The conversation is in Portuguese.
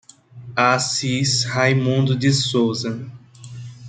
Assis Raimundo de Souza